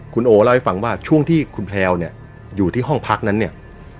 คุณโอเล่าให้ฟังว่าช่วงที่คุณแพลวเนี่ยอยู่ที่ห้องพักนั้นเนี่ย